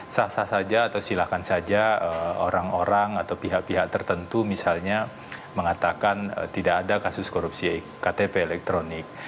sah sah saja atau silahkan saja orang orang atau pihak pihak tertentu misalnya mengatakan tidak ada kasus korupsi ktp elektronik